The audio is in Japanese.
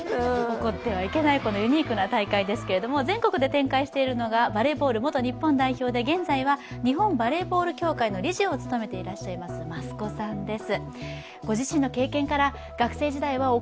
怒ってはいけないこのユニークな大会ですが全国で展開しているのがバレーボール元日本代表で現在日本バレーボール協会理事を務めています益子さんです。